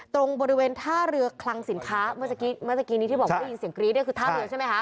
ตรงบริเวณท่าเรือคลังสินค้าเมื่อสักกี้นี้ที่บอกว่าได้ยินเสียงกรี๊ดเนี่ยคือท่าเรือใช่ไหมคะ